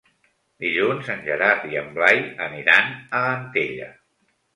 Dilluns en Gerard i en Blai aniran a Antella.